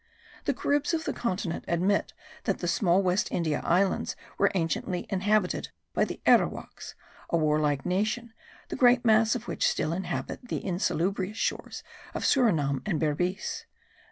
The Caribs of the continent admit that the small West India Islands were anciently inhabited by the Arowaks,* a warlike nation, the great mass of which still inhabit the insalubrious shores of Surinam and Berbice.